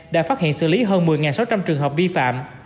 đã phát hiện xử lý hơn một mươi sáu trăm linh trường hợp vi phạm